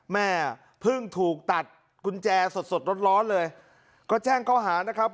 แม่เพิ่งถูกตัดกุญแจสดสดร้อนร้อนเลยก็แจ้งเขาหานะครับ